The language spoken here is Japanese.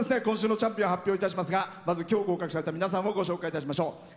今週のチャンピオン発表いたしますがまず今日合格された皆さんをご紹介いたしましょう。